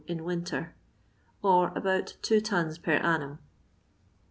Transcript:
in winter, or about 2 tons per annum.